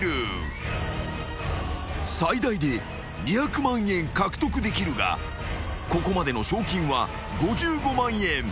［最大で２００万円獲得できるがここまでの賞金は５５万円］